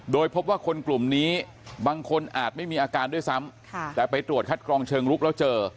โดยพบว่าคนกลุ่มนี้บางคนอาจไม่มีอาการด้วยซ้ำแต่ไปตรวจคัดกรองเชิงลุกแล้วเจอ